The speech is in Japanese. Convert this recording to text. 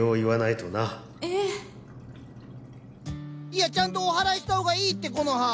いやちゃんとおはらいした方がいいってコノハ。